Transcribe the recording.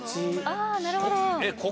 あなるほど。